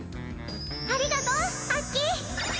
ありがとうアッキー！